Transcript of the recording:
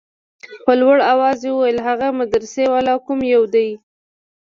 په لوړ اواز يې وويل هغه مدرسې والا کوم يو دى.